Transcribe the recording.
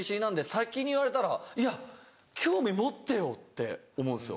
先に言われたらいや興味持ってよって思うんですよ。